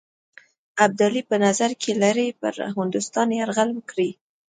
ابدالي په نظر کې لري پر هندوستان یرغل وکړي.